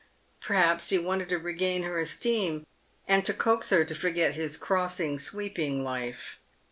Perhaps he wanted to regain" her esteem, and to coax her to forget his crossing sweeping life.